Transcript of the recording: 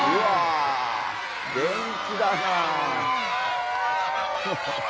元気だなあ。